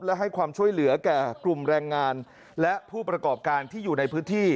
และให้ความช่วยเหลือแก่กลุ่มแรงงานและผู้ประกอบการที่อยู่ในพื้นที่